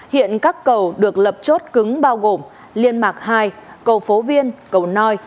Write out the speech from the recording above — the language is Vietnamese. hiện các cầu được lập chốt cứng bao gồm liên mạc hai cầu phố viên cầu noi